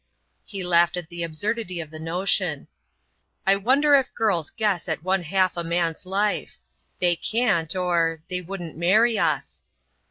He laughed at the absurdity of the notion. "I wonder if girls guess at one half a man's life. They can't, or—they wouldn't marry us."